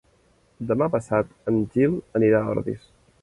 Demà passat en Gil anirà a Ordis.